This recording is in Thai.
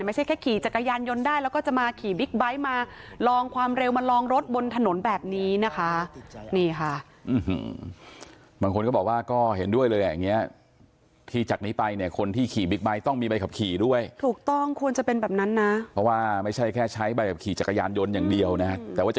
ไม่ใช่แค่ขี่จักรยานยนต์ได้แล้วก็จะมาขี่บิ๊กไบท์มาลองความเร็วมาลองรถบนถนนแบบนี้นะคะ